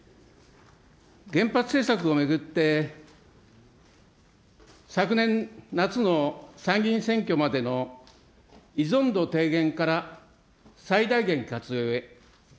原発政策を巡って、昨年夏の参議院選挙までの依存度低減から最大限活用へ。